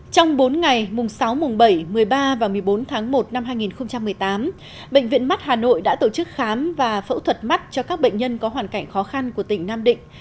trong bốn ngày mùng sáu mùng bảy một mươi ba và một mươi bốn tháng một năm hai nghìn một mươi tám bệnh viện mắt hà nội đã tổ chức khám và phẫu thuật mắt cho các bệnh nhân có hoàn cảnh khó khăn của tỉnh nam định